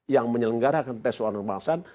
yang menyelenggarakan tes wawasan kebangsaan